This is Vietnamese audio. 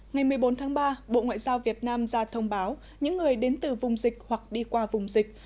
ngày một mươi bốn tháng ba bộ ngoại giao việt nam ra thông báo những người đến từ vùng dịch hoặc đi qua vùng dịch